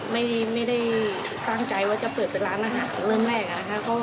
ไม่ได้ตั้งใจว่าจะเปิดเป็นร้านอาหารเริ่มแรกนะคะ